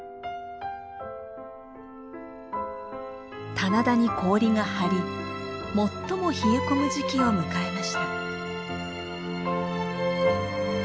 棚田に氷が張り最も冷え込む時期を迎えました。